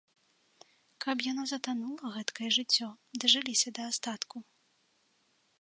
Каб яно затанула, гэткае жыццё, дажыліся да астатку.